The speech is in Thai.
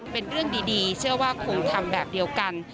เป็นเรื่องดีเชื่อว่าคงทำแบบเดียวกัน